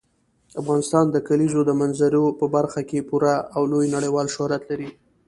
افغانستان د کلیزو منظره په برخه کې پوره او لوی نړیوال شهرت لري.